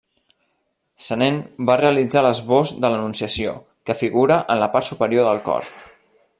Senent va realitzar l'esbós de l'Anunciació, que figura en la part superior del cor.